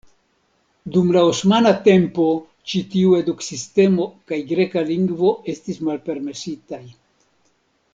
Dum la osmana tempo ĉi tiu eduk-sistemo kaj greka lingvo estis malpermesitaj.